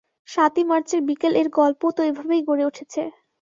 সাতই মার্চের বিকেল এর গল্প তো এভাবেই গড়ে উঠেছে।